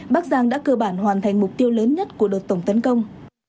bắc giang đã cơ bản hoàn thành mục tiêu lớn nhất của đợt tổng tấn công